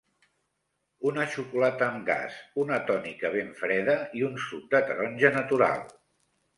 Una xocolata amb gas, una tònica ben freda i un suc de taronja natural.